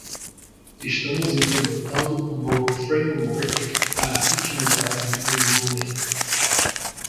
Estamos implementando um novo framework para otimizar o desenvolvimento.